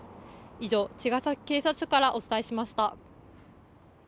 以上、茅ヶ崎警察署からお伝えしました。